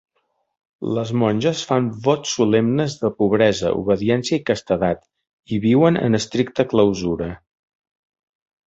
Les monges fan vots solemnes de pobresa, obediència i castedat, i viuen en estricta clausura.